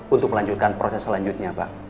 untuk melanjutkan proses selanjutnya pak